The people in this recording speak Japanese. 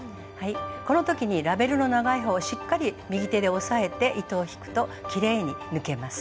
この時にラベルの長い方をしっかり右手で押さえて糸を引くときれいに抜けます。